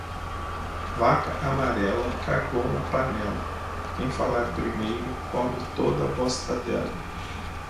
Vaca amarela cagou na panela quem falar primeiro come toda bosta dela.